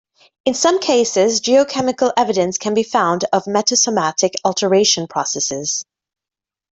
In some cases, geochemical evidence can be found of metasomatic alteration processes.